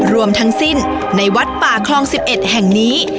รวมทั้งสิ้นในวัดป่าคลอง๑๑แห่งนี้